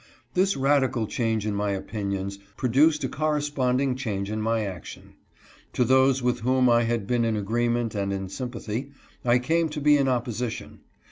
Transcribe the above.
This radical change in my opinions produced a corres ponding change in my action. To those with whom 1 had been in agreement and in sympathy, I came to be in opposition.